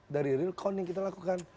dari real count yang kita lakukan